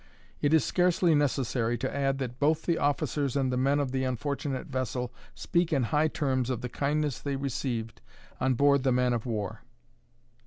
It is scarcely necessary to add that both the officers and men of the unfortunate vessel speak in high terms of the kindness they received on board the man of war.